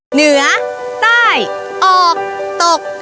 เหนือใต้ออกตก